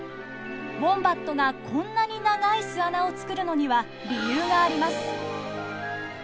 ウォンバットがこんなに長い巣穴を作るのには理由があります。